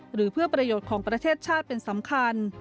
หรือเพื่อประโยชน์ของประเทศชาติเป็นสำคัญ